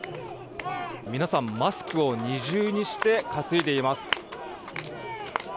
皆さん、マスクを二重にして担いでいます。